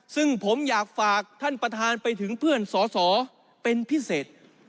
ซึ่งผมอยากฝากท่านประธานไปถึงเพื่อนสอสอเป็นพิเศษ